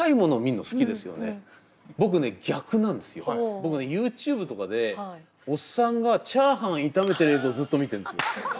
僕ＹｏｕＴｕｂｅとかでおっさんがチャーハン炒めてる映像ずっと見てるんですよ。